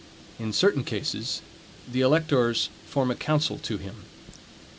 In certain cases, the electors form a council to him.